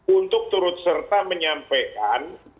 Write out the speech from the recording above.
untuk turut serta menyampaikan